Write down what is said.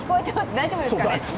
大丈夫ですかね？